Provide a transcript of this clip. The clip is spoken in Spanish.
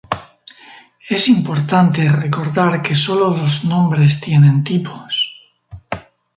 Es importante recordar que solo los nombres tienen tipos.